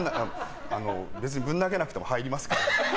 別に、ぶん投げなくても入りますから。